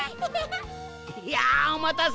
いやあおまたせ。